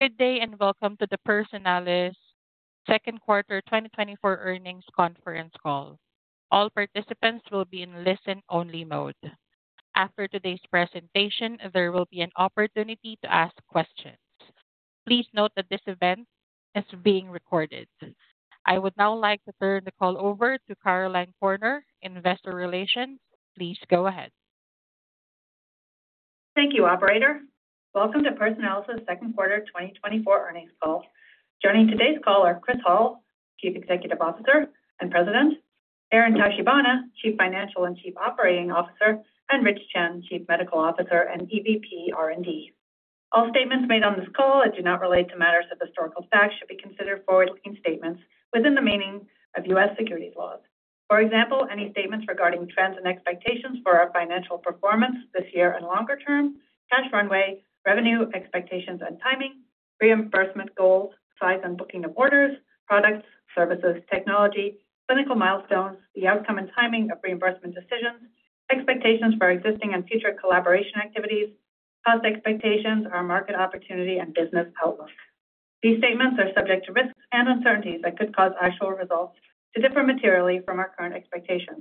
Good day and welcome to the Personalis Q2 2024 earnings conference call. All participants will be in listen-only mode. After today's presentation, there will be an opportunity to ask questions. Please note that this event is being recorded. I would now like to turn the call over to Caroline Corner, Investor Relations. Please go ahead. Thank you, Operator. Welcome to Personalis Q2 2024 earnings call. Joining today's call are Chris Hall, Chief Executive Officer and President; Aaron Tachibana, Chief Financial and Chief Operating Officer; and Rich Chen, Chief Medical Officer and EVP/R&D. All statements made on this call that do not relate to matters of historical fact should be considered forward-looking statements within the meaning of U.S. securities laws. For example, any statements regarding trends and expectations for our financial performance this year and longer term, cash runway, revenue expectations and timing, reimbursement goals, size and booking of orders, products, services, technology, clinical milestones, the outcome and timing of reimbursement decisions, expectations for existing and future collaboration activities, cost expectations, our market opportunity, and business outlook. These statements are subject to risks and uncertainties that could cause actual results to differ materially from our current expectations.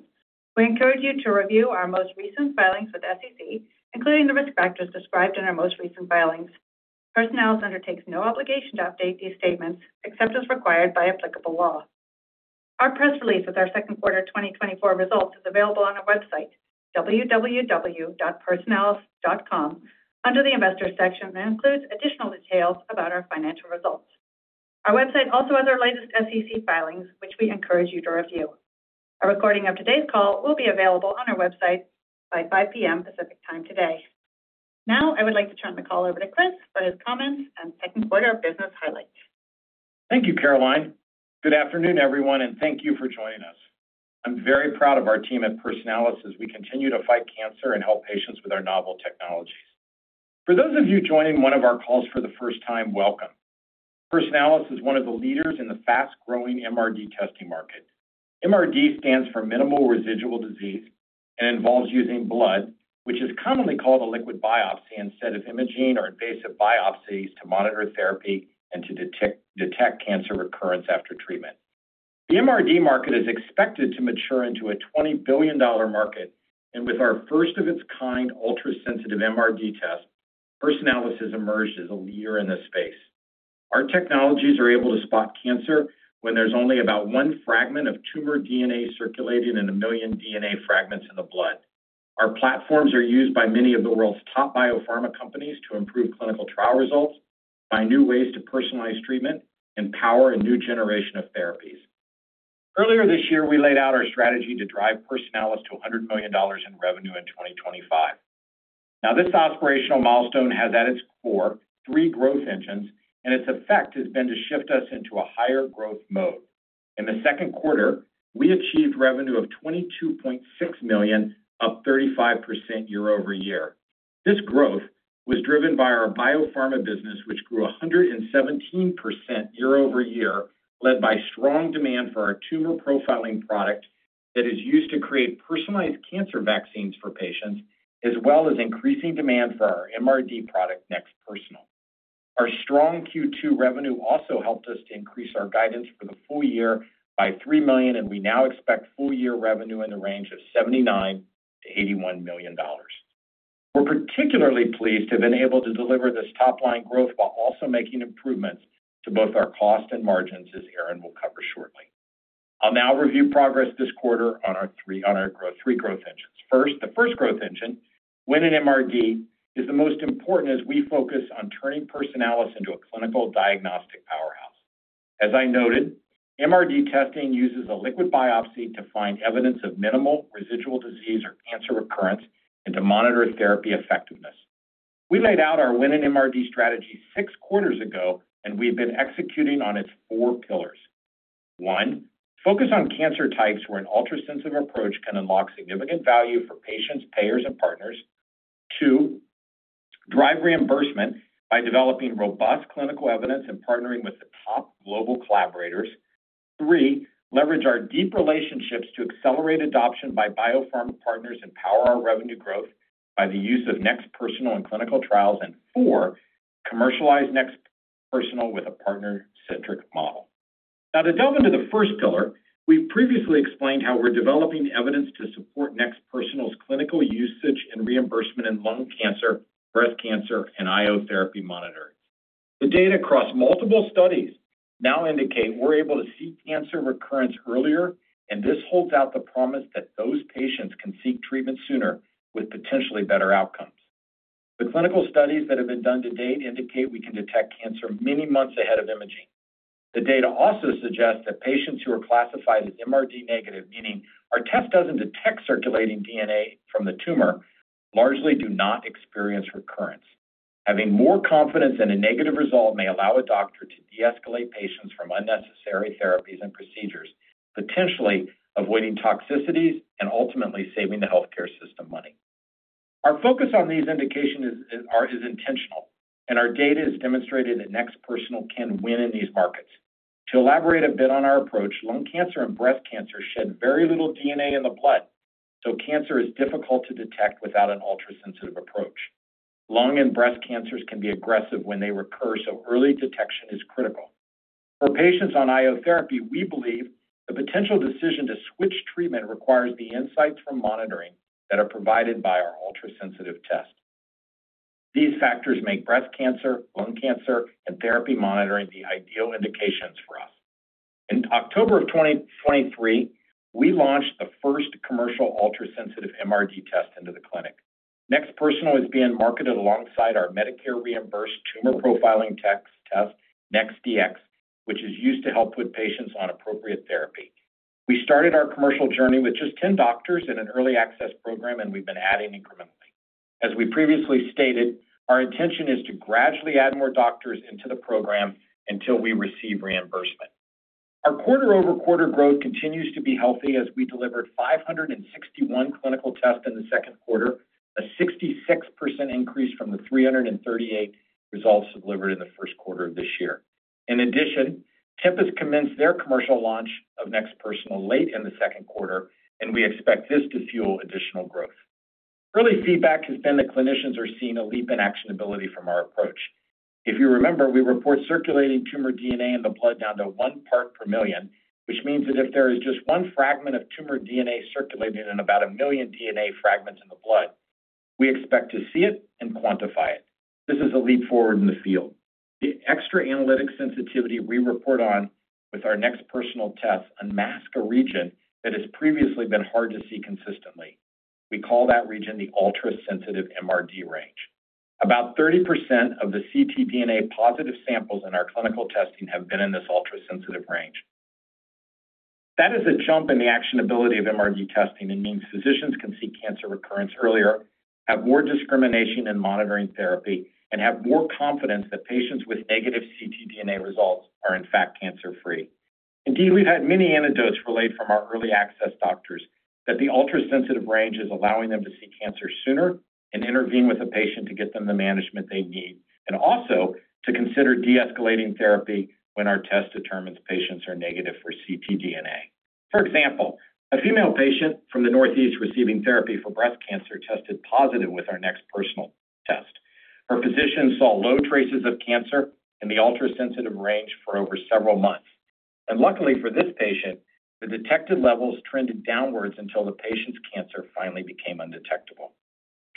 We encourage you to review our most recent filings with SEC, including the risk factors described in our most recent filings. Personalis undertakes no obligation to update these statements except as required by applicable law. Our press release with our Q2 2024 results is available on our website: www.personalis.com, under the Investors section, and includes additional details about our financial results. Our website also has our latest SEC filings, which we encourage you to review. A recording of today's call will be available on our website by 5:00 P.M. Pacific Time today. Now, I would like to turn the call over to Chris for his comments and Q2 of business highlights. Thank you, Caroline. Good afternoon, everyone, and thank you for joining us. I'm very proud of our team at Personalis as we continue to fight cancer and help patients with our novel technologies. For those of you joining one of our calls for the first time, welcome. Personalis is one of the leaders in the fast-growing MRD testing market. MRD stands for Minimal Residual Disease and involves using blood, which is commonly called a liquid biopsy instead of imaging or invasive biopsies, to monitor therapy and to detect cancer recurrence after treatment. The MRD market is expected to mature into a $20 billion market, and with our first-of-its-kind ultrasensitive MRD test, Personalis has emerged as a leader in this space. Our technologies are able to spot cancer when there's only about one fragment of tumor DNA circulating in a million DNA fragments in the blood. Our platforms are used by many of the world's top biopharma companies to improve clinical trial results, find new ways to personalize treatment, and power a new generation of therapies. Earlier this year, we laid out our strategy to drive Personalis to $100 million in revenue in 2025. Now, this aspirational milestone has at its core three growth engines, and its effect has been to shift us into a higher growth mode. In the Q2, we achieved revenue of $22.6 million, up 35% year-over-year. This growth was driven by our biopharma business, which grew 117% year-over-year, led by strong demand for our tumor profiling product that is used to create personalized cancer vaccines for patients, as well as increasing demand for our MRD product, NeXT Personal. Our strong Q2 revenue also helped us to increase our guidance for the full year by $3 million, and we now expect full-year revenue in the range of $79-81 million. We're particularly pleased to have been able to deliver this top-line growth while also making improvements to both our cost and margins, as Aaron will cover shortly. I'll now review progress this quarter on our three growth engines. First, the first growth engine, winning in MRD, is the most important as we focus on turning Personalis into a clinical diagnostic powerhouse. As I noted, MRD testing uses a liquid biopsy to find evidence of minimal residual disease or cancer recurrence and to monitor therapy effectiveness. We laid out our winning in MRD strategy six quarters ago, and we've been executing on its four pillars. One, focus on cancer types where an ultrasensitive approach can unlock significant value for patients, payers, and partners. Two, drive reimbursement by developing robust clinical evidence and partnering with the top global collaborators. Three, leverage our deep relationships to accelerate adoption by biopharma partners and power our revenue growth by the use of NeXT Personal and clinical trials. And four, commercialize NeXT Personal with a partner-centric model. Now, to delve into the first pillar, we've previously explained how we're developing evidence to support NeXT Personal's clinical usage and reimbursement in lung cancer, breast cancer, and IO therapy monitoring. The data across multiple studies now indicate we're able to see cancer recurrence earlier, and this holds out the promise that those patients can seek treatment sooner with potentially better outcomes. The clinical studies that have been done to date indicate we can detect cancer many months ahead of imaging. The data also suggest that patients who are classified as MRD negative, meaning our test doesn't detect circulating DNA from the tumor, largely do not experience recurrence. Having more confidence in a negative result may allow a doctor to de-escalate patients from unnecessary therapies and procedures, potentially avoiding toxicities and ultimately saving the healthcare system money. Our focus on these indications is intentional, and our data has demonstrated that NeXT Personal can win in these markets. To elaborate a bit on our approach, lung cancer and breast cancer shed very little DNA in the blood, so cancer is difficult to detect without an ultrasensitive approach. Lung and breast cancers can be aggressive when they recur, so early detection is critical. For patients on IO therapy, we believe the potential decision to switch treatment requires the insights from monitoring that are provided by our ultrasensitive test. These factors make breast cancer, lung cancer, and therapy monitoring the ideal indications for us. In October 2023, we launched the first commercial ultrasensitive MRD test into the clinic. NeXT Personal is being marketed alongside our Medicare-reimbursed tumor profiling test NeXT Dx, which is used to help put patients on appropriate therapy. We started our commercial journey with just 10 doctors in an early access program, and we've been adding incrementally. As we previously stated, our intention is to gradually add more doctors into the program until we receive reimbursement. Our quarter-over-quarter growth continues to be healthy as we delivered 561 clinical tests in the Q2, a 66% increase from the 338 results delivered in the Q1 of this year. In addition, Tempus commenced their commercial launch of NeXT Personal late in the Q2, and we expect this to fuel additional growth. Early feedback has been that clinicians are seeing a leap in actionability from our approach. If you remember, we report circulating tumor DNA in the blood down to one part per million, which means that if there is just one fragment of tumor DNA circulating in about a million DNA fragments in the blood, we expect to see it and quantify it. This is a leap forward in the field. The extra analytic sensitivity we report on with our NeXT Personal tests unmasks a region that has previously been hard to see consistently. We call that region the ultrasensitive MRD range. About 30% of the ctDNA positive samples in our clinical testing have been in this ultrasensitive range. That is a jump in the actionability of MRD testing and means physicians can see cancer recurrence earlier, have more discrimination in monitoring therapy, and have more confidence that patients with negative ctDNA results are, in fact, cancer-free. Indeed, we've had many anecdotes relayed from our early access doctors that the ultrasensitive range is allowing them to see cancer sooner and intervene with a patient to get them the management they need, and also to consider de-escalating therapy when our test determines patients are negative for ctDNA. For example, a female patient from the Northeast receiving therapy for breast cancer tested positive with our NeXT Personal test. Her physician saw low traces of cancer in the ultrasensitive range for over several months. Luckily for this patient, the detected levels trended downwards until the patient's cancer finally became undetectable.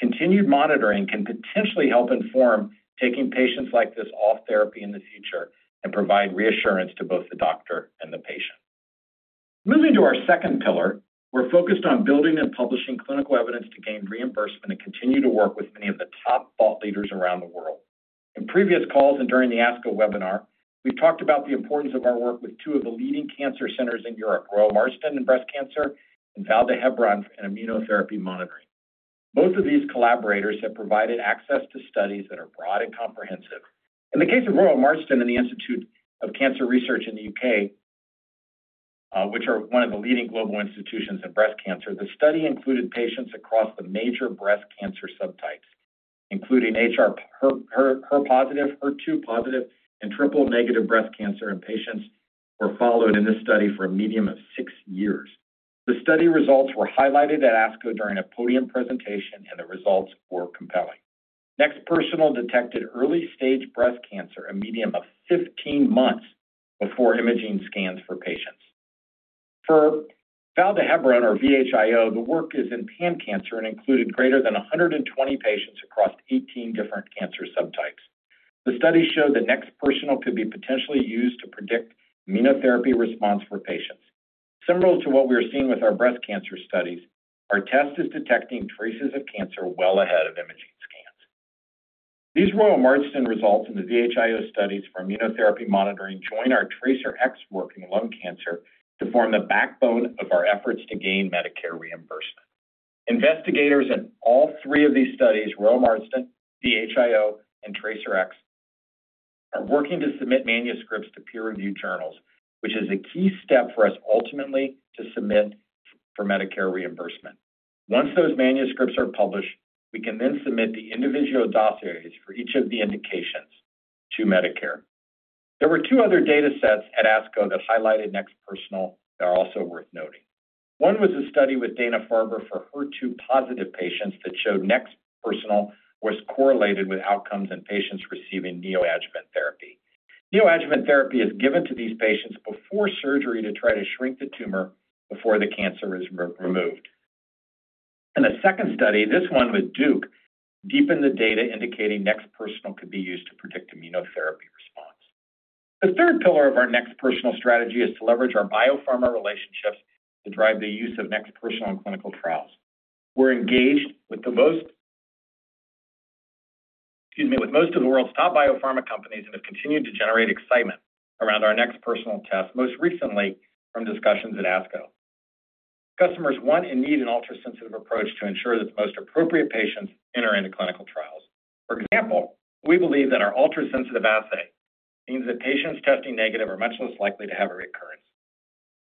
Continued monitoring can potentially help inform taking patients like this off therapy in the future and provide reassurance to both the doctor and the patient. Moving to our second pillar, we're focused on building and publishing clinical evidence to gain reimbursement and continue to work with many of the top thought leaders around the world. In previous calls and during the ASCO webinar, we've talked about the importance of our work with two of the leading cancer centers in Europe, Royal Marsden in breast cancer and Vall d'Hebron in immunotherapy monitoring. Both of these collaborators have provided access to studies that are broad and comprehensive. In the case of Royal Marsden and the Institute of Cancer Research in the U.K., which are one of the leading global institutions in breast cancer, the study included patients across the major breast cancer subtypes, including HR-positive, HER2-positive, and triple-negative breast cancer, and patients were followed in this study for a median of six years. The study results were highlighted at ASCO during a podium presentation, and the results were compelling. NeXT Personal detected early-stage breast cancer a median of 15 months before imaging scans for patients. For Vall d'Hebron, or VHIO, the work is in pan-cancer and included greater than 120 patients across 18 different cancer subtypes. The study showed that NeXT Personal could be potentially used to predict immunotherapy response for patients. Similar to what we are seeing with our breast cancer studies, our test is detecting traces of cancer well ahead of imaging scans. These Royal Marsden results and the VHIO studies for immunotherapy monitoring join our TRACERx work in lung cancer to form the backbone of our efforts to gain Medicare reimbursement. Investigators in all three of these studies, Royal Marsden, VHIO, and TRACERx, are working to submit manuscripts to peer-reviewed journals, which is a key step for us ultimately to submit for Medicare reimbursement. Once those manuscripts are published, we can then submit the individual dossiers for each of the indications to Medicare. There were two other data sets at ASCO that highlighted NeXT Personal that are also worth noting. One was a study with Dana-Farber for HER2-positive patients that showed NeXT Personal was correlated with outcomes in patients receiving neoadjuvant therapy. Neoadjuvant therapy is given to these patients before surgery to try to shrink the tumor before the cancer is removed. In a second study, this one with Duke, deepened the data indicating NeXT Personal could be used to predict immunotherapy response. The third pillar of our NeXT Personal strategy is to leverage our biopharma relationships to drive the use of NeXT Personal in clinical trials. We're engaged with the most, excuse me, with most of the world's top biopharma companies and have continued to generate excitement around our NeXT Personal test, most recently from discussions at ASCO. Customers want and need an ultrasensitive approach to ensure that the most appropriate patients enter into clinical trials. For example, we believe that our ultrasensitive assay means that patients testing negative are much less likely to have a recurrence.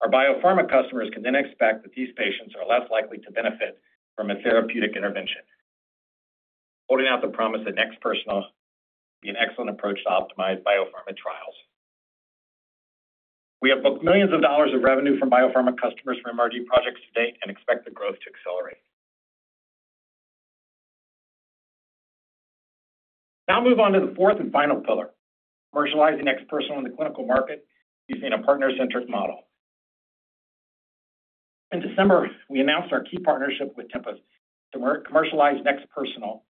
Our biopharma customers can then expect that these patients are less likely to benefit from a therapeutic intervention. Holding out the promise that NeXT Personal would be an excellent approach to optimize biopharma trials. We have booked millions of dollars of revenue from biopharma customers for emerging projects to date and expect the growth to accelerate. Now I'll move on to the fourth and final pillar, commercializing NeXT Personal in the clinical market using a partner-centric model. In December, we announced our key partnership with Tempus to commercialize NeXT Personal in the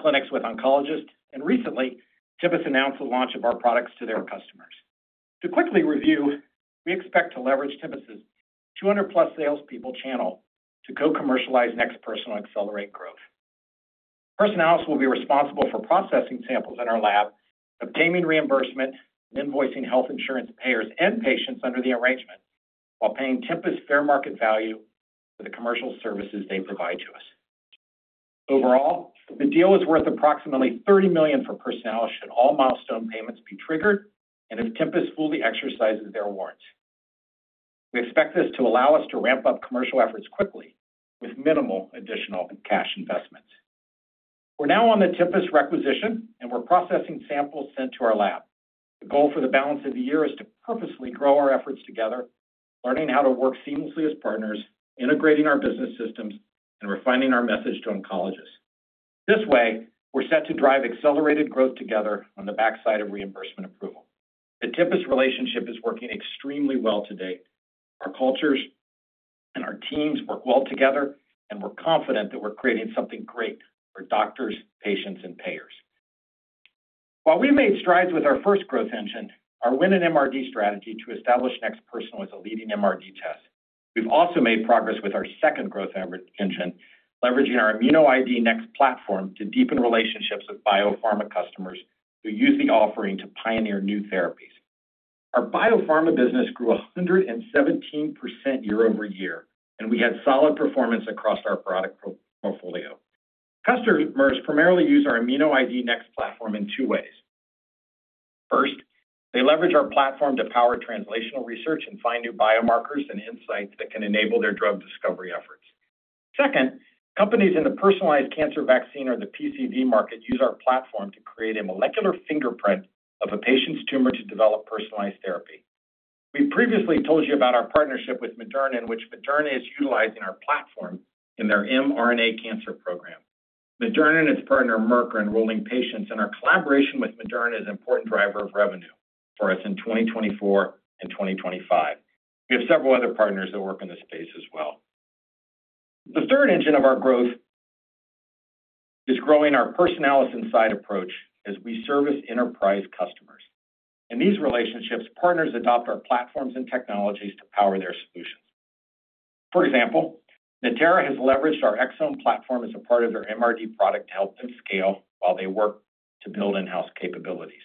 clinics with oncologists, and recently, Tempus announced the launch of our products to their customers. To quickly review, we expect to leverage Tempus's 200+ salespeople channel to co-commercialize NeXT Personal and accelerate growth. Personalis will be responsible for processing samples in our lab, obtaining reimbursement, and invoicing health insurance payers and patients under the arrangement while paying Tempus fair market value for the commercial services they provide to us. Overall, the deal is worth approximately $30 million for Personalis should all milestone payments be triggered and if Tempus fully exercises their warrants. We expect this to allow us to ramp up commercial efforts quickly with minimal additional cash investments. We're now on the Tempus requisition, and we're processing samples sent to our lab. The goal for the balance of the year is to purposely grow our efforts together, learning how to work seamlessly as partners, integrating our business systems, and refining our message to oncologists. This way, we're set to drive accelerated growth together on the backside of reimbursement approval. The Tempus relationship is working extremely well to date. Our cultures and our teams work well together, and we're confident that we're creating something great for doctors, patients, and payers. While we've made strides with our first growth engine, our win in MRD strategy to establish NeXT Personal as a leading MRD test, we've also made progress with our second growth engine, leveraging our ImmunoID NeXT platform to deepen relationships with biopharma customers who use the offering to pioneer new therapies. Our biopharma business grew 117% year-over-year, and we had solid performance across our product portfolio. Customers primarily use our ImmunoID NeXT platform in two ways. First, they leverage our platform to power translational research and find new biomarkers and insights that can enable their drug discovery efforts. Second, companies in the personalized cancer vaccine or the PCV market use our platform to create a molecular fingerprint of a patient's tumor to develop personalized therapy. We previously told you about our partnership with Moderna, in which Moderna is utilizing our platform in their mRNA cancer program. Moderna and its partner, Merck, are enrolling patients, and our collaboration with Moderna is an important driver of revenue for us in 2024 and 2025. We have several other partners that work in this space as well. The third engine of our growth is growing our Personalis Inside approach as we service enterprise customers. In these relationships, partners adopt our platforms and technologies to power their solutions. For example, Natera has leveraged our Exome platform as a part of their MRD product to help them scale while they work to build in-house capabilities.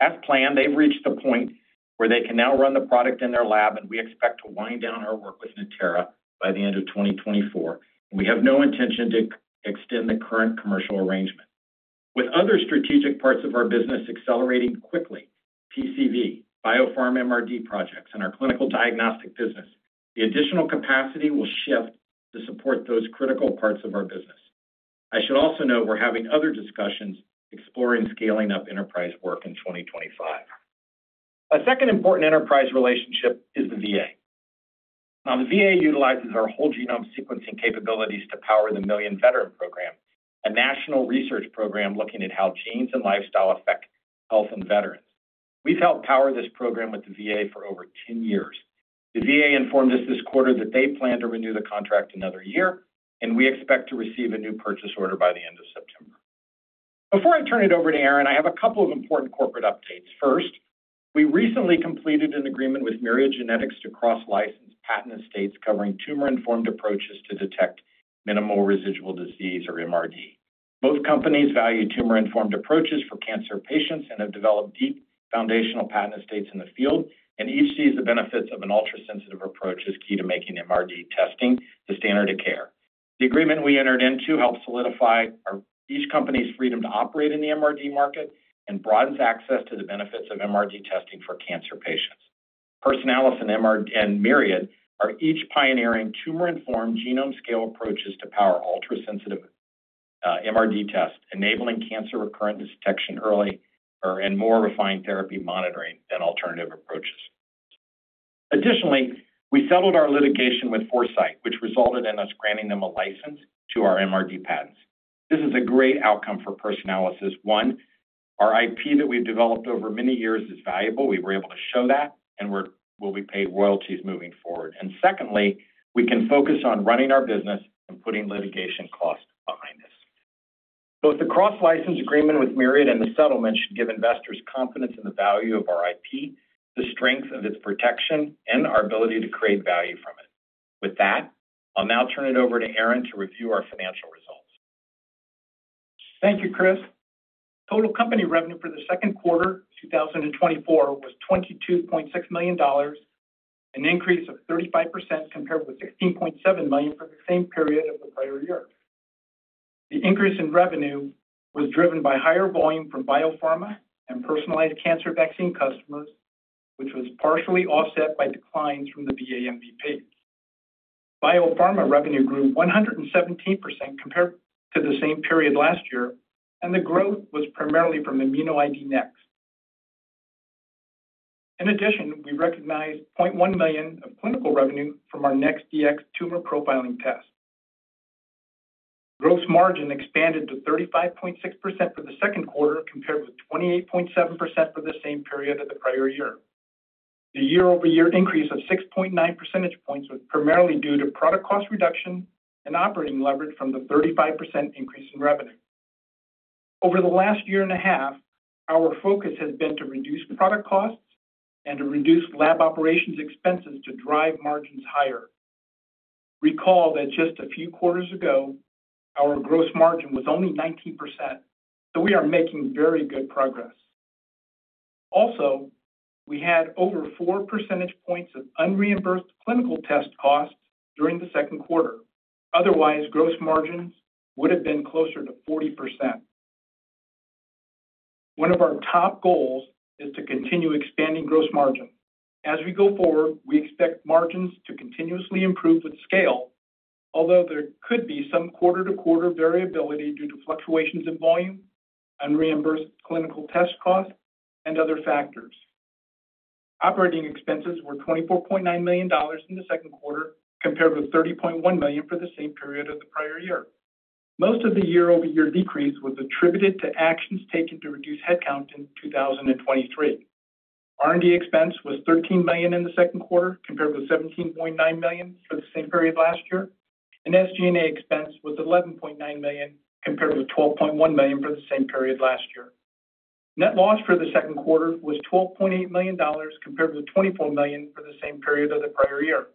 As planned, they've reached the point where they can now run the product in their lab, and we expect to wind down our work with Natera by the end of 2024, and we have no intention to extend the current commercial arrangement. With other strategic parts of our business accelerating quickly, PCV, Biopharma MRD projects, and our clinical diagnostic business, the additional capacity will shift to support those critical parts of our business. I should also note we're having other discussions exploring scaling up enterprise work in 2025. A second important enterprise relationship is the VA. Now, the VA utilizes our whole genome sequencing capabilities to power the Million Veteran Program, a national research program looking at how genes and lifestyle affect health and veterans. We've helped power this program with the VA for over 10 years. The VA informed us this quarter that they plan to renew the contract another year, and we expect to receive a new purchase order by the end of September. Before I turn it over to Aaron, I have a couple of important corporate updates. First, we recently completed an agreement with Myriad Genetics to cross-license patent estates covering tumor-informed approaches to detect minimal residual disease or MRD. Both companies value tumor-informed approaches for cancer patients and have developed deep foundational patent estates in the field, and each sees the benefits of an ultrasensitive approach as key to making MRD testing the standard of care. The agreement we entered into helps solidify each company's freedom to operate in the MRD market and broadens access to the benefits of MRD testing for cancer patients. Personalis and Myriad are each pioneering tumor-informed genome-scale approaches to power ultrasensitive MRD tests, enabling cancer recurrence detection early and more refined therapy monitoring than alternative approaches. Additionally, we settled our litigation with Foresight, which resulted in us granting them a license to our MRD patents. This is a great outcome for Personalis. One, our IP that we've developed over many years is valuable. We were able to show that, and we'll be paid royalties moving forward. And secondly, we can focus on running our business and putting litigation costs behind us. Both the cross-license agreement with Myriad and the settlement should give investors confidence in the value of our IP, the strength of its protection, and our ability to create value from it. With that, I'll now turn it over to Aaron to review our financial results. Thank you, Chris. Total company revenue for the Q2 of 2024 was $22.6 million, an increase of 35% compared with $16.7 million for the same period of the prior year. The increase in revenue was driven by higher volume from biopharma and personalized cancer vaccine customers, which was partially offset by declines from the VA MVP. Biopharma revenue grew 117% compared to the same period last year, and the growth was primarily from ImmunoID NeXT. In addition, we recognized $0.1 million of clinical revenue from our NeXT Dx tumor profiling test. Gross margin expanded to 35.6% for the Q2 compared with 28.7% for the same period of the prior year. The year-over-year increase of 6.9 percentage points was primarily due to product cost reduction and operating leverage from the 35% increase in revenue. Over the last year and a half, our focus has been to reduce product costs and to reduce lab operations expenses to drive margins higher. Recall that just a few quarters ago, our gross margin was only 19%, so we are making very good progress. Also, we had over 4 percentage points of unreimbursed clinical test costs during the Q2. Otherwise, gross margins would have been closer to 40%. One of our top goals is to continue expanding gross margin. As we go forward, we expect margins to continuously improve with scale, although there could be some quarter-to-quarter variability due to fluctuations in volume, unreimbursed clinical test costs, and other factors. Operating expenses were $24.9 million in the Q2 compared with $30.1 million for the same period of the prior year. Most of the year-over-year decrease was attributed to actions taken to reduce headcount in 2023. R&D expense was $13 million in the Q2 compared with $17.9 million for the same period last year, and SG&A expense was $11.9 million compared with $12.1 million for the same period last year. Net loss for the Q2 was $12.8 million compared with $24 million for the same period of the prior year.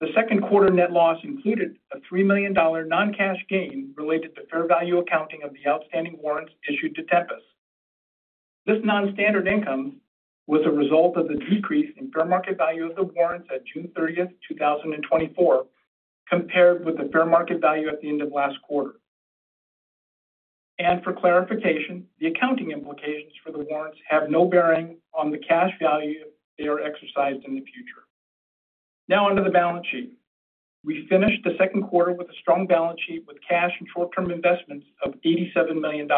The Q2 net loss included a $3 million non-cash gain related to fair value accounting of the outstanding warrants issued to Tempus. This non-standard income was a result of the decrease in fair market value of the warrants at June 30, 2024, compared with the fair market value at the end of last quarter. For clarification, the accounting implications for the warrants have no bearing on the cash value if they are exercised in the future. Now, under the balance sheet, we finished the Q2 with a strong balance sheet with cash and short-term investments of $87 million.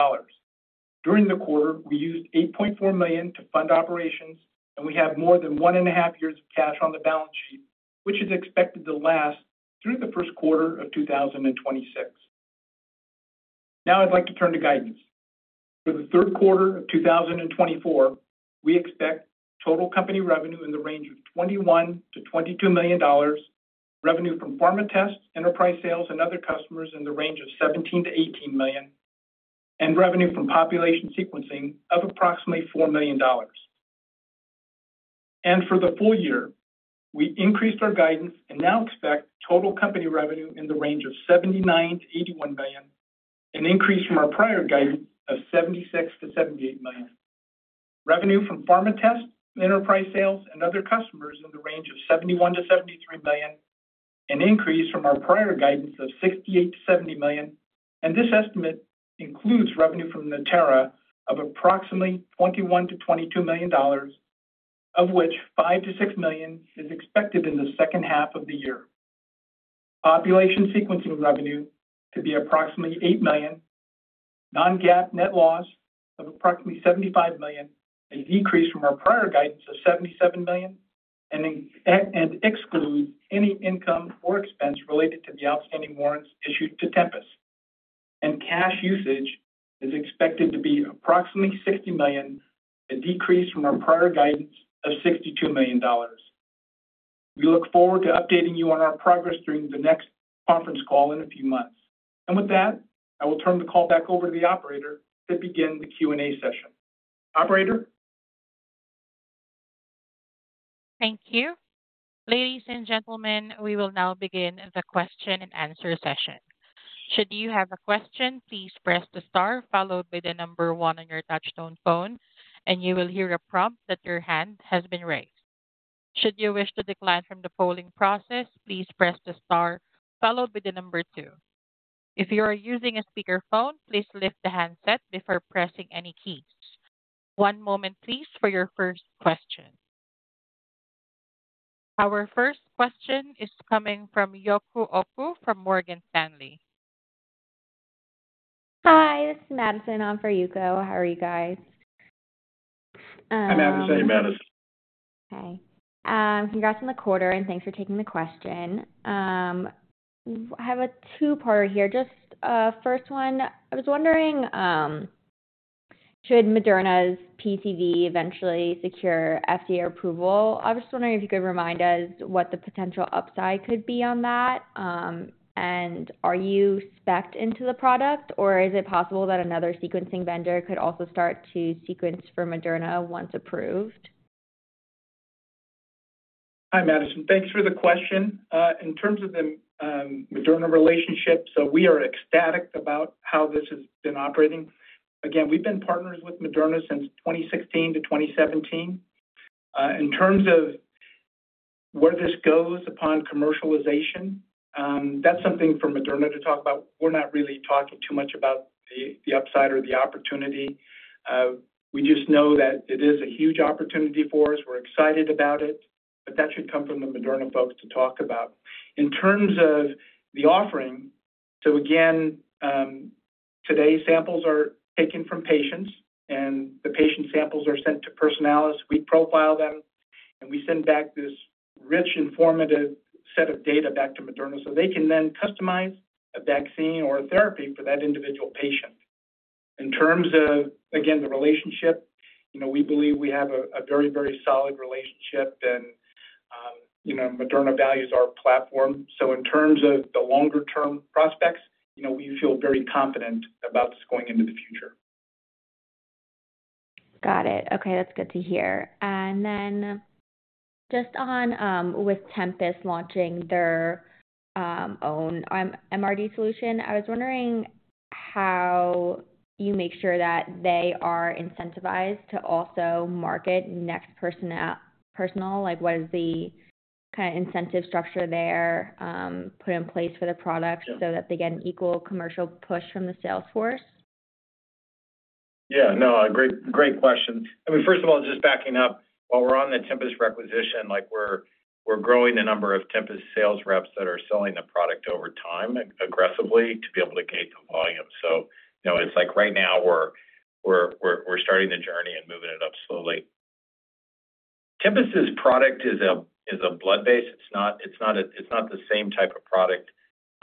During the quarter, we used $8.4 million to fund operations, and we have more than one and a half years of cash on the balance sheet, which is expected to last through the Q1 of 2026. Now, I'd like to turn to guidance. For the Q3 of 2024, we expect total company revenue in the range of $21-22 million, revenue from pharma tests, enterprise sales, and other customers in the range of $17-18 million, and revenue from population sequencing of approximately $4 million. For the full year, we increased our guidance and now expect total company revenue in the range of $79-81 million, an increase from our prior guidance of $76-78 million. Revenue from pharma tests, enterprise sales, and other customers in the range of $71-73 million, an increase from our prior guidance of $68-70 million. This estimate includes revenue from Natera of approximately $21-22 million, of which $5-6 million is expected in the second half of the year. Population sequencing revenue to be approximately $8 million, non-GAAP net loss of approximately $75 million, a decrease from our prior guidance of $77 million, and excludes any income or expense related to the outstanding warrants issued to Tempus. Cash usage is expected to be approximately $60 million, a decrease from our prior guidance of $62 million. We look forward to updating you on our progress during the next conference call in a few months. With that, I will turn the call back over to the operator to begin the Q&A session. Operator. Thank you. Ladies and gentlemen, we will now begin the question-and-answer session. Should you have a question, please press the star followed by the number one on your touch-tone phone, and you will hear a prompt that your hand has been raised. Should you wish to decline from the polling process, please press the star followed by the number two. If you are using a speakerphone, please lift the handset before pressing any keys. One moment, please, for your first question. Our first question is coming from Yuko Oku from Morgan Stanley. Hi, this is Madison. I'm for Yuko. How are you guys? Hi, Madison. Hey, Madison. Okay. Congrats on the quarter, and thanks for taking the question. I have a two-parter here. Just first one, I was wondering, should Moderna's PCV eventually secure FDA approval? I was just wondering if you could remind us what the potential upside could be on that? And are you specced into the product, or is it possible that another sequencing vendor could also start to sequence for Moderna once approved? Hi, Madison. Thanks for the question. In terms of the Moderna relationship, so we are ecstatic about how this has been operating. Again, we've been partners with Moderna since 2016 to 2017. In terms of where this goes upon commercialization, that's something for Moderna to talk about. We're not really talking too much about the upside or the opportunity. We just know that it is a huge opportunity for us. We're excited about it, but that should come from the Moderna folks to talk about. In terms of the offering, so again, today, samples are taken from patients, and the patient samples are sent to Personalis. We profile them, and we send back this rich, informative set of data back to Moderna so they can then customize a vaccine or a therapy for that individual patient. In terms of, again, the relationship, we believe we have a very, very solid relationship, and Moderna values our platform. So in terms of the longer-term prospects, we feel very confident about this going into the future. Got it. Okay. That's good to hear. And then just on with Tempus launching their own MRD solution, I was wondering how you make sure that they are incentivized to also market NeXT Personal. What is the kind of incentive structure there put in place for the products so that they get an equal commercial push from the salesforce? Yeah. No, great question. I mean, first of all, just backing up, while we're on the Tempus requisition, we're growing the number of Tempus sales reps that are selling the product over time aggressively to be able to gate the volume. So it's like right now we're starting the journey and moving it up slowly. Tempus's product is a blood-based. It's not the same type of product.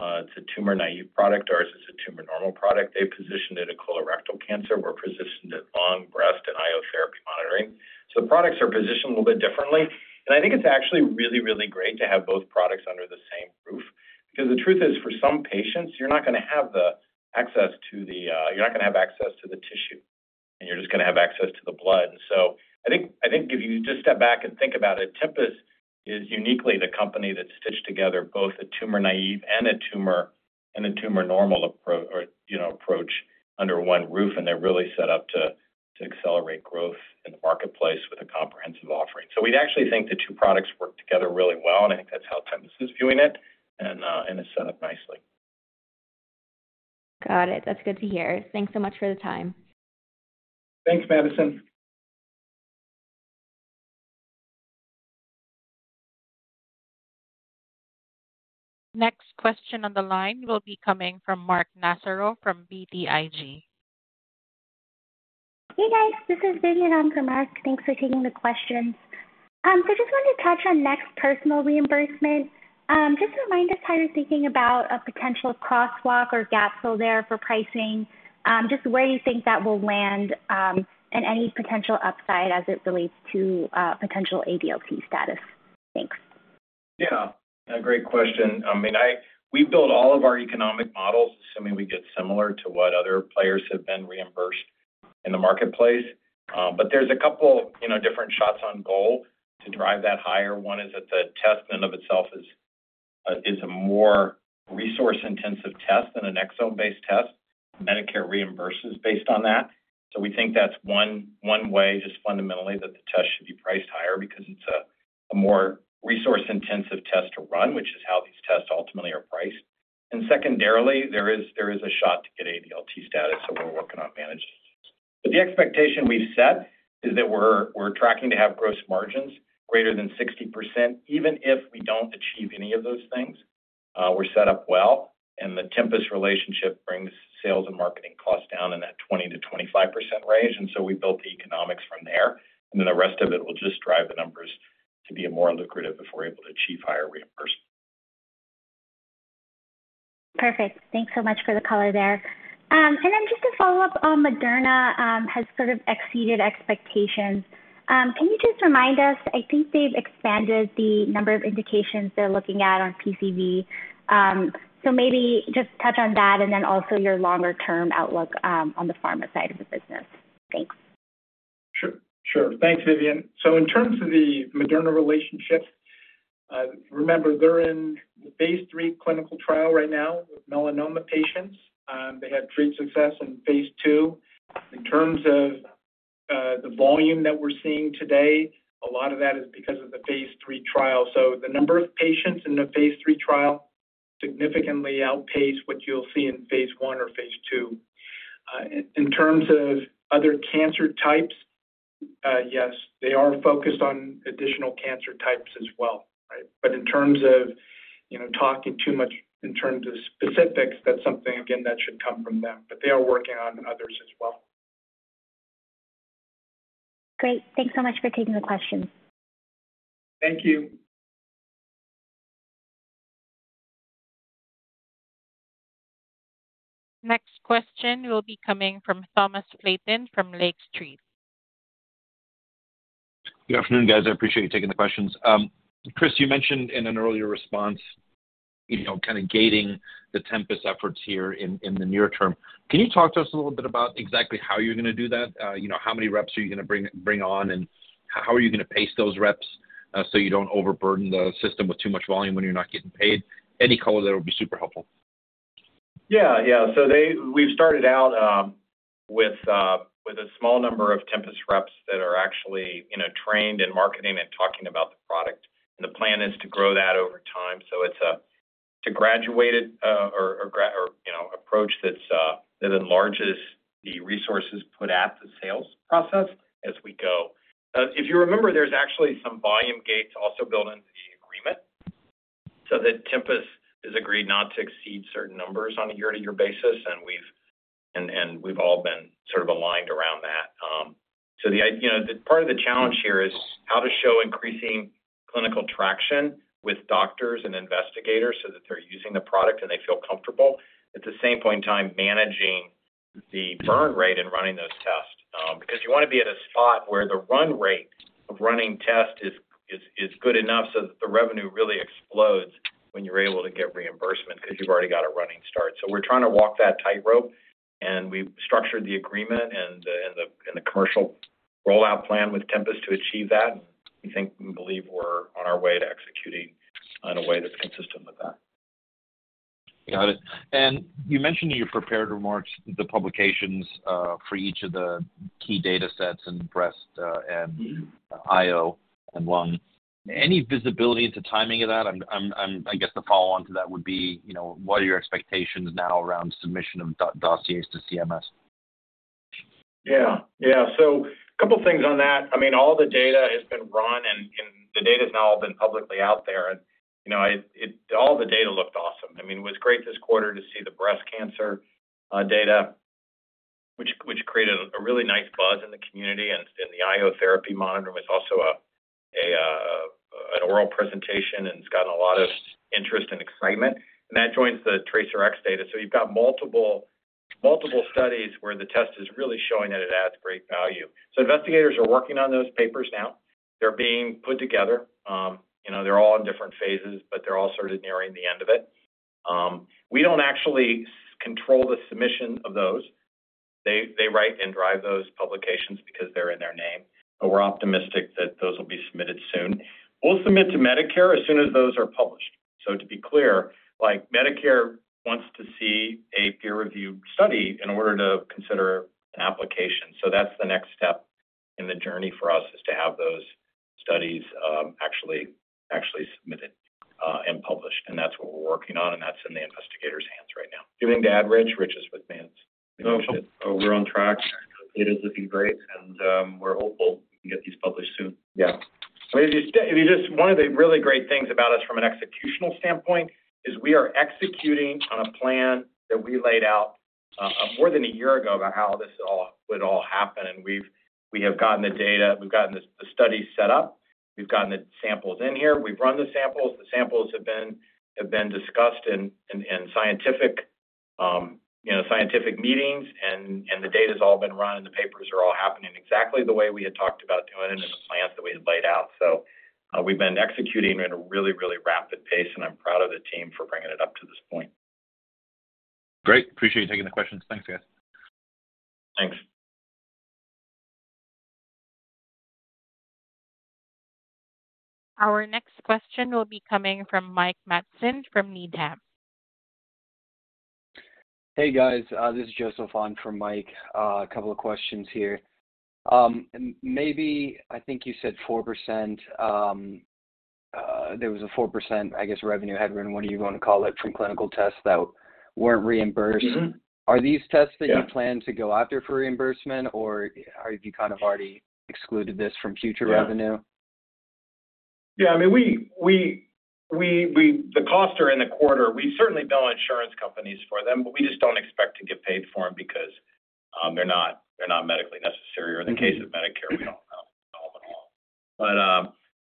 It's a tumor-naive product. Ours is a tumor-informed product. They positioned it at colorectal cancer. We're positioned at lung, breast and IO therapy monitoring. So the products are positioned a little bit differently. And I think it's actually really, really great to have both products under the same roof because the truth is, for some patients, you're not going to have access to the tissue, and you're just going to have access to the blood. And so I think if you just step back and think about it, Tempus is uniquely the company that stitched together both a tumor-naive and a tumor-informed approach under one roof, and they're really set up to accelerate growth in the marketplace with a comprehensive offering. So we actually think the two products work together really well, and I think that's how Tempus is viewing it, and it's set up nicely. Got it. That's good to hear. Thanks so much for the time. Thanks, Madison. Next question on the line will be coming from Mark Massaro from BTIG. Hey, guys. This is Vidyun on for Mark. Thanks for taking the questions. So I just wanted to touch on NeXT Personal reimbursement. Just remind us how you're thinking about a potential crosswalk or gap fill there for pricing, just where you think that will land and any potential upside as it relates to potential ADLT status? Thanks. Yeah. Great question. I mean, we build all of our economic models, assuming we get similar to what other players have been reimbursed in the marketplace. But there's a couple different shots on goal to drive that higher. One is that the test in and of itself is a more resource-intensive test than an exome-based test. Medicare reimburses based on that. So we think that's one way, just fundamentally, that the test should be priced higher because it's a more resource-intensive test to run, which is how these tests ultimately are priced. And secondarily, there is a shot to get ADLT status, so we're working on managing it. But the expectation we've set is that we're tracking to have gross margins greater than 60%, even if we don't achieve any of those things. We're set up well, and the Tempus relationship brings sales and marketing costs down in that 20%-25% range. And so we built the economics from there, and then the rest of it will just drive the numbers to be more lucrative if we're able to achieve higher reimbursement. Perfect. Thanks so much for the color there. And then just to follow up on Moderna has sort of exceeded expectations. Can you just remind us? I think they've expanded the number of indications they're looking at on PCV. So maybe just touch on that and then also your longer-term outlook on the pharma side of the business. Thanks. Sure. Sure. Thanks, Vidyun. So in terms of the Moderna relationship, remember, they're in the phase III clinical trial right now with melanoma patients. They had great success in phase II. In terms of the volume that we're seeing today, a lot of that is because of the phase III trial. So the number of patients in the phase III trial significantly outpaced what you'll see in phase I or phase II. In terms of other cancer types, yes, they are focused on additional cancer types as well. But in terms of talking too much in terms of specifics, that's something, again, that should come from them. But they are working on others as well. Great. Thanks so much for taking the questions. Thank you. Next question will be coming from Thomas Flaten from Lake Street. Good afternoon, guys. I appreciate you taking the questions. Chris, you mentioned in an earlier response kind of gating the Tempus efforts here in the near term. Can you talk to us a little bit about exactly how you're going to do that? How many reps are you going to bring on, and how are you going to pace those reps so you don't overburden the system with too much volume when you're not getting paid? Any color there would be super helpful. Yeah. Yeah. So we've started out with a small number of Tempus reps that are actually trained in marketing and talking about the product. And the plan is to grow that over time. So it's a graduated approach that enlarges the resources put at the sales process as we go. If you remember, there's actually some volume gates also built into the agreement so that Tempus has agreed not to exceed certain numbers on a year-to-year basis, and we've all been sort of aligned around that. So part of the challenge here is how to show increasing clinical traction with doctors and investigators so that they're using the product and they feel comfortable. At the same point in time, managing the burn rate and running those tests because you want to be at a spot where the run rate of running tests is good enough so that the revenue really explodes when you're able to get reimbursement because you've already got a running start. So we're trying to walk that tightrope, and we've structured the agreement and the commercial rollout plan with Tempus to achieve that. We think and believe we're on our way to executing in a way that's consistent with that. Got it. You mentioned in your prepared remarks the publications for each of the key data sets in breast and IO and lung. Any visibility into timing of that? I guess the follow-on to that would be, what are your expectations now around submission of dossiers to CMS? Yeah. Yeah. A couple of things on that. I mean, all the data has been run, and the data has now all been publicly out there. All the data looked awesome. I mean, it was great this quarter to see the breast cancer data, which created a really nice buzz in the community. The IO therapy monitoring was also an oral presentation, and it's gotten a lot of interest and excitement. That joins the TRACERx data. So you've got multiple studies where the test is really showing that it adds great value. So investigators are working on those papers now. They're being put together. They're all in different phases, but they're all sort of nearing the end of it. We don't actually control the submission of those. They write and drive those publications because they're in their name. But we're optimistic that those will be submitted soon. We'll submit to Medicare as soon as those are published. So to be clear, Medicare wants to see a peer-reviewed study in order to consider an application. So that's the next step in the journey for us is to have those studies actually submitted and published. And that's what we're working on, and that's in the investigators' hands right now. Oh, shit. Oh, we're on track. Data's looking great, and we're hopeful we can get these published soon. Yeah. I mean, if you just one of the really great things about us from an executional standpoint is we are executing on a plan that we laid out more than a year ago about how this would all happen. We have gotten the data. We've gotten the studies set up. We've gotten the samples in here. We've run the samples. The samples have been discussed in scientific meetings, and the data's all been run, and the papers are all happening exactly the way we had talked about doing it and the plans that we had laid out. So we've been executing at a really, really rapid pace, and I'm proud of the team for bringing it up to this point. Great. Appreciate you taking the questions. Thanks, guys. Thanks. Our next question will be coming from Mike Matson from Needham. Hey, guys. This is Joseph on for Mike. A couple of questions here. Maybe, I think you said 4%. There was a 4%, I guess, revenue headwind, whatever you want to call it, from clinical tests that weren't reimbursed. Are these tests that you plan to go after for reimbursement, or have you kind of already excluded this from future revenue? Yeah. Yeah. I mean, the costs are in the quarter. We certainly bill insurance companies for them, but we just don't expect to get paid for them because they're not medically necessary or in the case of Medicare, we don't know at all. But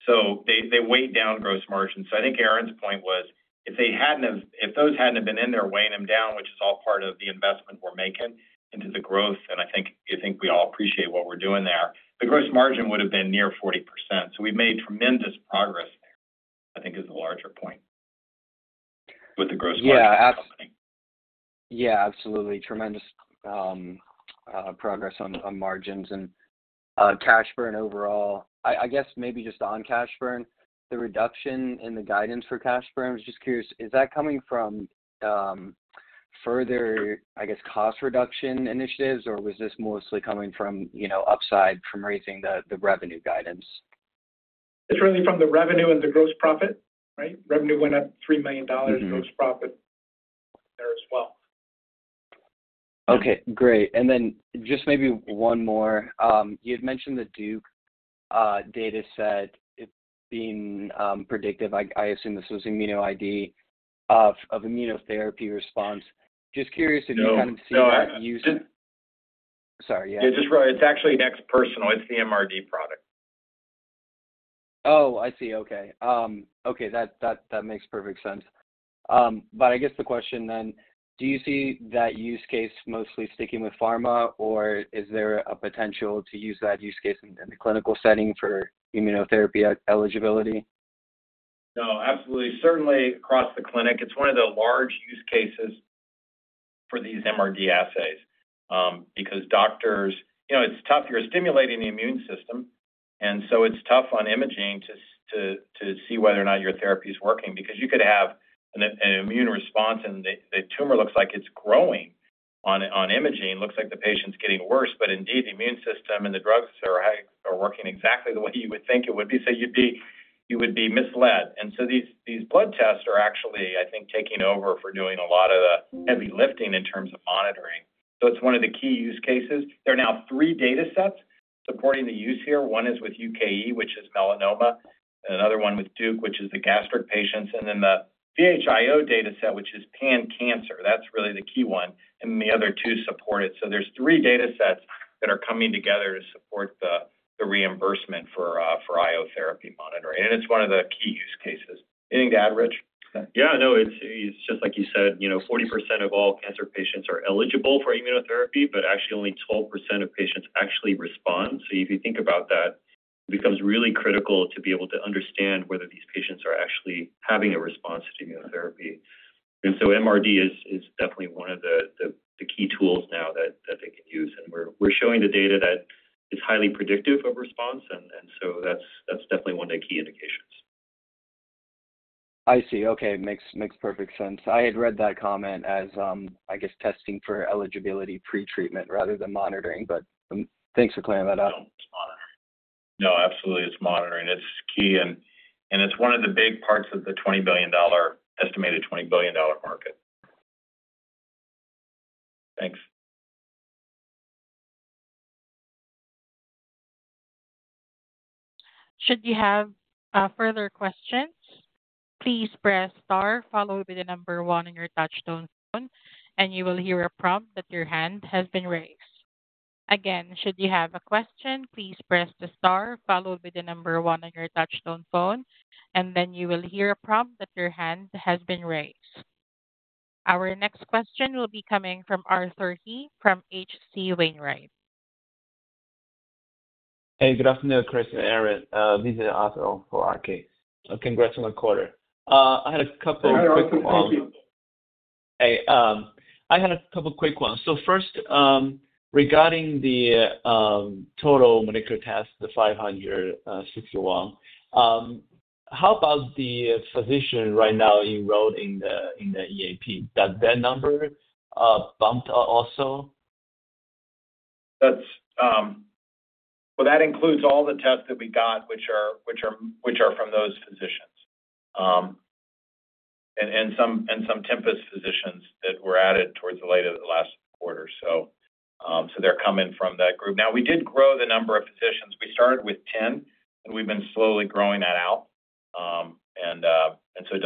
so they weigh down gross margin. So I think Aaron's point was if those hadn't have been in there weighing them down, which is all part of the investment we're making into the growth, and I think we all appreciate what we're doing there, the gross margin would have been near 40%. So we've made tremendous progress there, I think, is the larger point with the gross margin commentary. Yeah. Absolutely. Tremendous progress on margins and cash burn overall. I guess maybe just on cash burn, the reduction in the guidance for cash burn, I was just curious, is that coming from further, I guess, cost reduction initiatives, or was this mostly coming from upside from raising the revenue guidance? It's really from the revenue and the gross profit, right? Revenue went up $3 million, gross profit there as well. Okay. Great. And then just maybe one more. You had mentioned the Duke data set being predictive. I assume this was ImmunoID of immunotherapy response. Just curious if you kind of see that using sorry. Yeah. Yeah. Just really, it's actually NeXT Personal. It's the MRD product. Oh, I see. Okay. Okay. That makes perfect sense. But I guess the question then, do you see that use case mostly sticking with pharma, or is there a potential to use that use case in the clinical setting for immunotherapy eligibility? No. Absolutely. Certainly across the clinic, it's one of the large use cases for these MRD assays because doctors, it's tough. You're stimulating the immune system, and so it's tough on imaging to see whether or not your therapy is working because you could have an immune response, and the tumor looks like it's growing on imaging. It looks like the patient's getting worse, but indeed, the immune system and the drugs are working exactly the way you would think it would be. So you would be misled. And so these blood tests are actually, I think, taking over for doing a lot of the heavy lifting in terms of monitoring. So it's one of the key use cases. There are now three data sets supporting the use here. One is with UKE, which is melanoma, and another one with Duke, which is the gastric patients, and then the VHIO data set, which is pan-cancer. That's really the key one. And the other two support it. So there's three data sets that are coming together to support the reimbursement for IO therapy monitoring. And it's one of the key use cases. Anything to add, Rich? Yeah. No. It's just like you said, 40% of all cancer patients are eligible for immunotherapy, but actually only 12% of patients actually respond. So if you think about that, it becomes really critical to be able to understand whether these patients are actually having a response to immunotherapy. So MRD is definitely one of the key tools now that they can use. And we're showing the data that it's highly predictive of response, and so that's definitely one of the key indications. I see. Okay. Makes perfect sense. I had read that comment as, I guess, testing for eligibility pre-treatment rather than monitoring. But thanks for clearing that up. No. Absolutely. It's monitoring. It's key, and it's one of the big parts of the estimated $20 billion market. Thanks. Should you have further questions, please press star followed by the number one on your touch-tone phone, and you will hear a prompt that your hand has been raised. Again, should you have a question, please press the star followed by the number one on your touch-tone phone, and then you will hear a prompt that your hand has been raised. Our next question will be coming from Arthur He from H.C. Wainwright. Hey. Good afternoon, Chris and Aaron. This is Arthur for RK. Congrats on the quarter. I had a couple of quick ones. Hey. I had a couple of quick ones. So first, regarding the total molecular test, the 561, how about the physician right now enrolled in the EAP? That number bumped also? Well, that includes all the tests that we got, which are from those physicians and some Tempus physicians that were added towards the later last quarter. So they're coming from that group. Now, we did grow the number of physicians. We started with 10, and we've been slowly growing that out. And so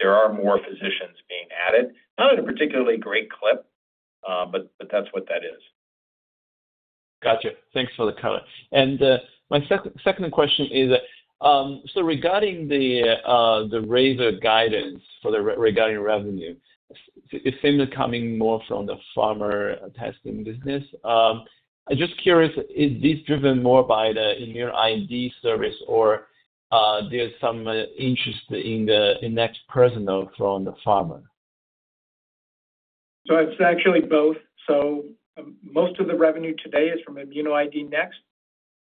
there are more physicians being added. Not at a particularly great clip, but that's what that is. Gotcha. Thanks for the comment. And my second question is, so regarding the RAVER guidance for regarding revenue, it seems coming more from the pharma testing business. I'm just curious, is this driven more by the ImmunoID service, or there's some interest in NeXT Personal from the pharma? So it's actually both. So most of the revenue today is from ImmunoID NeXT.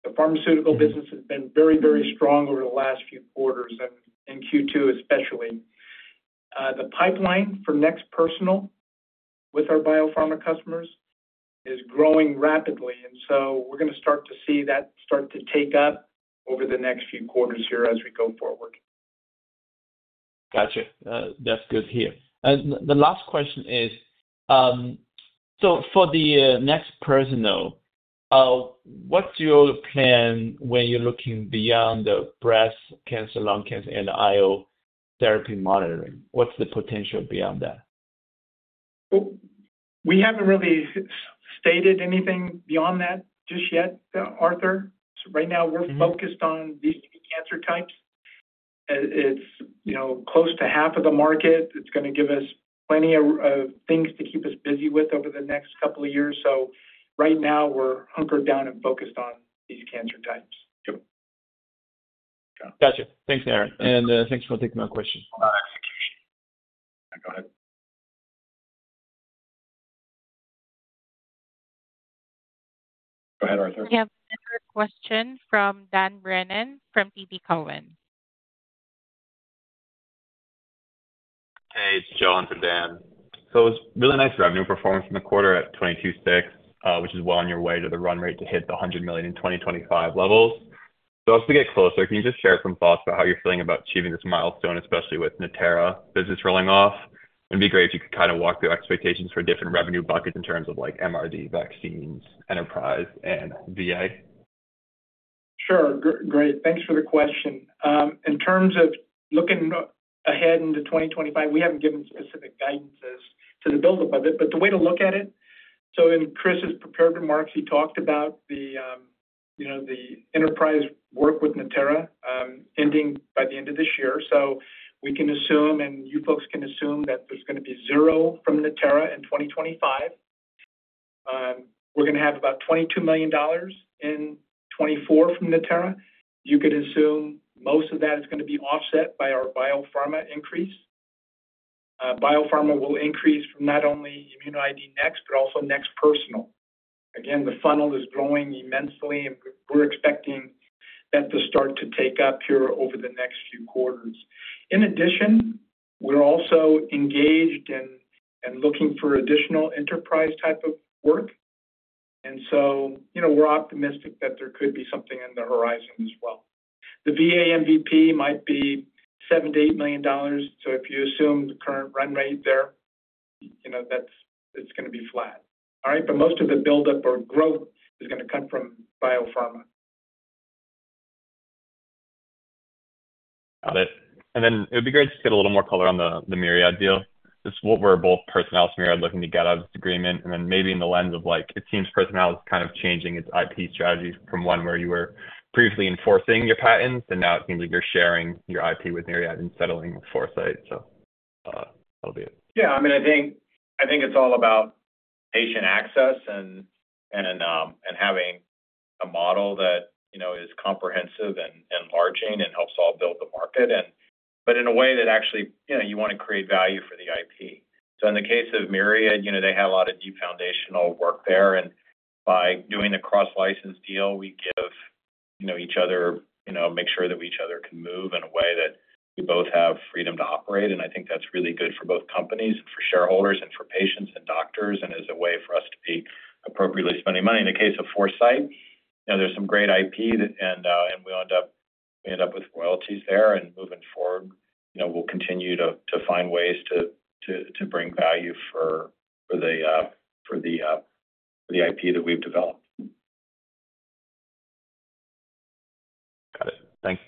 The pharmaceutical business has been very, very strong over the last few quarters, and Q2 especially. The pipeline for NeXT Personal with our biopharma customers is growing rapidly. And so we're going to start to see that start to take up over the next few quarters here as we go forward. Gotcha. That's good to hear. And the last question is, so for the NeXT Personal, what's your plan when you're looking beyond the breast cancer, lung cancer, and IO therapy monitoring? What's the potential beyond that? We haven't really stated anything beyond that just yet, Arthur. Right now, we're focused on these cancer types. It's close to half of the market. It's going to give us plenty of things to keep us busy with over the next couple of years. So right now, we're hunkered down and focused on these cancer types. Gotcha. Thanks, Aaron. And thanks for taking my question. Go ahead. Go ahead, Arthur. We have another question from Dan Brennan from TD Cowen. Hey. It's Jonathan, Dan. So it was really nice revenue performance in the quarter at $22.6 million, which is well on your way to the run rate to hit the $100 million in 2025 levels. So as we get closer, can you just share some thoughts about how you're feeling about achieving this milestone, especially with Natera business rolling off? It'd be great if you could kind of walk through expectations for different revenue buckets in terms of MRD, vaccines, enterprise, and VA. Sure. Great. Thanks for the question. In terms of looking ahead into 2025, we haven't given specific guidance as to the buildup of it, but the way to look at it, so in Chris's prepared remarks, he talked about the enterprise work with Natera ending by the end of this year. So we can assume, and you folks can assume that there's going to be 0 from Natera in 2025. We're going to have about $22 million in 2024 from Natera. You could assume most of that is going to be offset by our biopharma increase. Biopharma will increase from not only ImmunoID NeXT but also NeXT Personal. Again, the funnel is growing immensely, and we're expecting that to start to take up here over the next few quarters. In addition, we're also engaged in looking for additional enterprise type of work. We're optimistic that there could be something on the horizon as well. The VA MVP might be $7-8 million. So if you assume the current run rate there, it's going to be flat. All right? But most of the buildup or growth is going to come from biopharma. Got it. And then it would be great to get a little more color on the Myriad deal. It's what both Personalis and Myriad are looking to get out of this agreement. And then maybe in the lens of it seems Personalis is kind of changing its IP strategy from one where you were previously enforcing your patents, and now it seems like you're sharing your IP with Myriad and settling with Foresight. So that'll be it. Yeah. I mean, I think it's all about patient access and having a model that is comprehensive and enlarging and helps all build the market, but in a way that actually you want to create value for the IP. So in the case of Myriad, they had a lot of deep foundational work there. By doing the cross-license deal, we give each other make sure that we each other can move in a way that we both have freedom to operate. I think that's really good for both companies, for shareholders, and for patients and doctors, and as a way for us to be appropriately spending money. In the case of Foresight, there's some great IP, and we end up with royalties there. Moving forward, we'll continue to find ways to bring value for the IP that we've developed. Got it. Thanks.